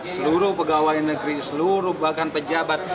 seluruh pegawai negeri seluruh bahkan pejabat